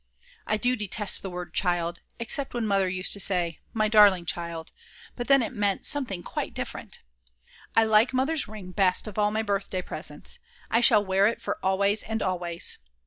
I do detest the word "child," except when Mother used to say: "My darling child," but then it meant something quite different. I like Mother's ring best of all my birthday presents; I shall wear it for always and always.